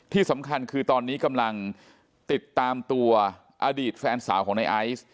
ที่สำคัญคือตอนนี้กำลังติดตามตัวอดีตแฟนสาวของในไอซ์